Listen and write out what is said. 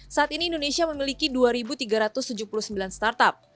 saat ini indonesia memiliki dua tiga ratus tujuh puluh sembilan startup